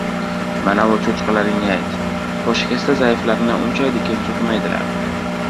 — Manavi cho‘chqalaringga ayt, poshikasta-zaifalarni undaychikin so‘kmaydilar!